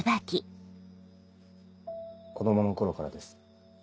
子供の頃からです